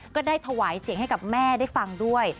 ก็ได้ถวายเสียงให้กับแม่ได้ฟังด้วย